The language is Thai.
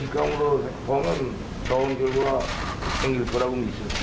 ความผลความดีจะถูกลง